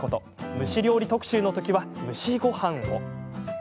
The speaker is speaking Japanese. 蒸し料理特集の時は蒸しごはんを。